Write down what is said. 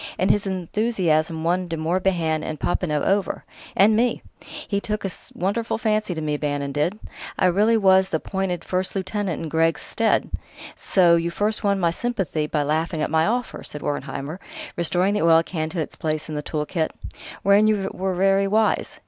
And his enthusiasm won De Morbihan and Popinot over ... and me! He took a wonderful fancy to me, Bannon did; I really was appointed first lieutenant in Greggs' stead.... So you first won my sympathy by laughing at my offer," said Wertheimer, restoring the oil can to its place in the tool kit; "wherein you were very wise....